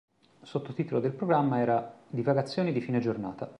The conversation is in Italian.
Sottotitolo del programma era: "Divagazioni di fine giornata".